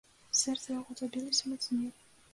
Сэрца яго забілася мацней.